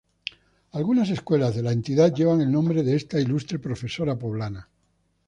Algunas escuelas de la entidad llevan el nombre de esta ilustre profesora poblana.